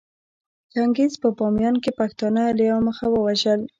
چنګېز په باميان کې پښتانه له يوه مخه ووژل